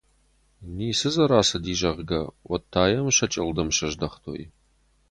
Ницы дзы рацыди, зӕгъгӕ, уӕд та йӕм сӕ чъылдым сыздӕхтой.